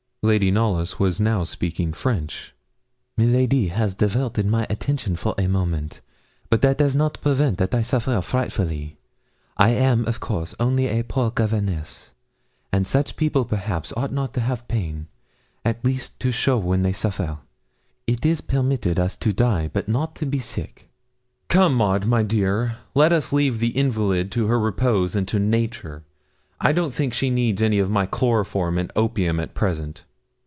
Lady Knollys was now speaking French. 'Mi ladi has diverted my attention for a moment, but that does not prevent that I suffer frightfully. I am, of course, only poor governess, and such people perhaps ought not to have pain at least to show when they suffer. It is permitted us to die, but not to be sick.' 'Come, Maud, my dear, let us leave the invalid to her repose and to nature. I don't think she needs my chloroform and opium at present.'